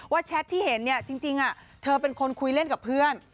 แชทที่เห็นเนี่ยจริงเธอเป็นคนคุยเล่นกับเพื่อน